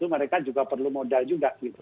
mereka juga perlu modal juga